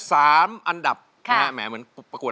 สามอันดับนะฮะเหมือนประกวด